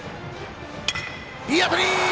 いい当たり！